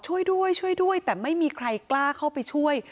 ช่วยด้วยช่วยด้วยแต่ไม่มีใครกล้าเข้าไปช่วย